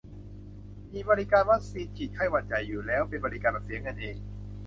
มีบริการฉีดวัคซีนไข้หวัดใหญ่อยู่แล้ว เป็นบริการแบบเสียเงินเอง